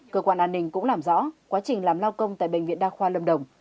cơ quan an ninh cũng làm rõ quá trình làm lao công tại bệnh viện đa khoa lâm đồng